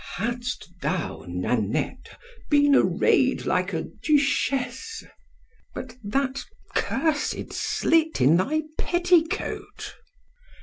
Hadst thou, Nannette, been array'd like a duchesse! ——But that cursed slit in thy petticoat!